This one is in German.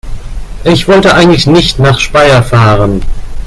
Ich wollte eigentlich nicht nach Speyer fahren